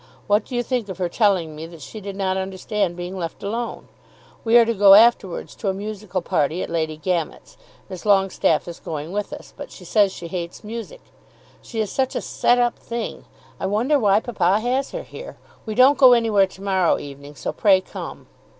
What do you think of her telling me that she did not understand being left alone? We are to go afterwards to a musical party at Lady Gamut's. Miss Longestaffe is going with us, but she says that she hates music. She is such a set up thing! I wonder why papa has her here. We don't go anywhere to morrow evening, so pray come.